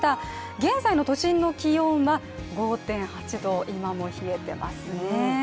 現在の都心の気温は５．８度、今も冷えてますね。